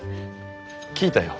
聞いたよ。